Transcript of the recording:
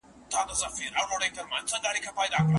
د ماتي منونکي کسان د پلمې کوونکو په پرتله ډېر ژر بریالي کېږي.